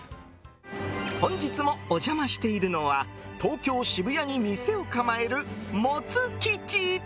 本日もお邪魔しているのは東京・渋谷に店を構える、もつ吉。